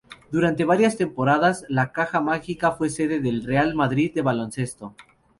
Durante varias temporadas, la Caja Mágica fue sede del Real Madrid de Baloncesto.